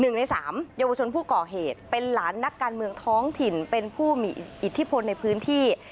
หนึ่งในสามเยาวชนผู้ก่อเหตุเป็นหลานนักการเมืองท้องถิ่นเป็นผู้มีอิทธิพลในพื้นที่